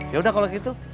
yaudah kalau gitu